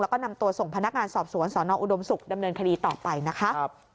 แล้วก็นำตัวส่งพนักงานสอบสวนสนอุดมศุกร์ดำเนินคดีต่อไปนะคะ